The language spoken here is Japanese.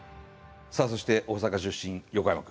さあそして大阪出身横山君。